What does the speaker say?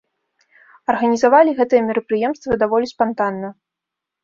Арганізавалі гэтае мерапрыемства даволі спантанна.